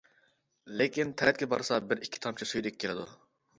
لېكىن تەرەتكە بارسا بىر ئىككى تامچە سۈيدۈك كېلىدۇ.